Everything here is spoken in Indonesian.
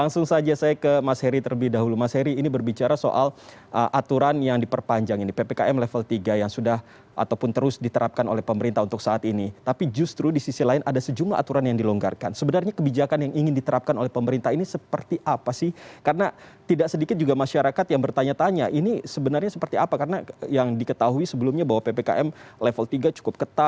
selamat sore asik banget mas bayu selamat sore selamat sehat